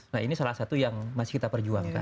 nah ini salah satu yang masih kita perjuangkan